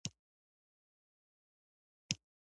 تفریح د ژوند یوه ضروري برخه ده.